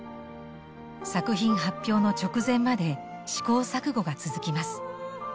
作品発表の直前まで試行錯誤が続きます。